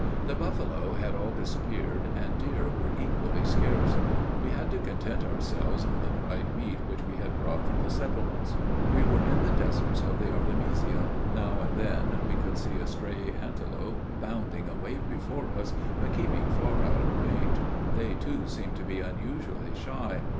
The buffalo had all disappeared, and deer were equally scarce. We had to content ourselves on the dried meat which we had brought from the settlements. We were in the deserts of the artemisia. Now and then we could see a stray antelope bounding away before us, but keeping far out of range. They, too, seemed to be unusually shy.